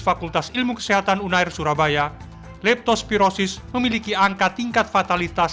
fakultas ilmu kesehatan unair surabaya leptospirosis memiliki angka tingkat fatalitas